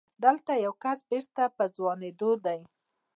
دلته يو کس بېرته په ځوانېدو دی.